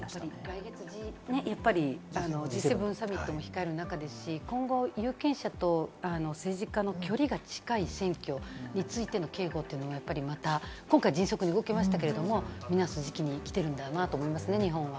来月ね、Ｇ７サミットも控える中ですし今後、有権者と政治家の距離が近い選挙についての警護はまた、今回迅速に動きましたけれども、見直す時期に来てるんだなと思いますね、日本は。